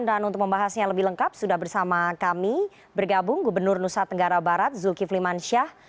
dan untuk membahasnya lebih lengkap sudah bersama kami bergabung gubernur nusa tenggara barat zulkifli mansyah